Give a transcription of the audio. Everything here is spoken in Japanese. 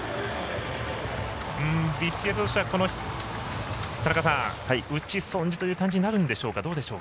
ビシエドとしては打ち損じという感じになるんでしょうか。